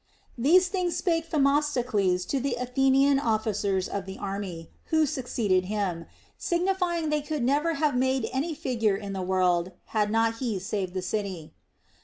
These things spake Themistocles to the Athe nian officers of the army, who succeeded him, signifying that they could never have made any figure in the world had not he saved the city.